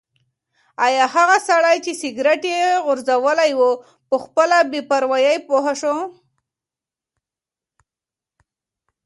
ایا هغه سړی چې سګرټ یې غورځولی و په خپله بې پروايي پوه شو؟